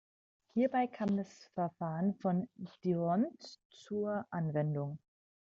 Hierbei kam das Verfahren von d’Hondt zur Anwendung.